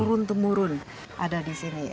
turun temurun ada disini ya